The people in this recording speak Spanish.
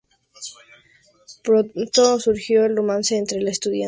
Pronto surgió el romance entre la estudiante y el carismático artista.